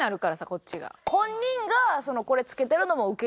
こっちが。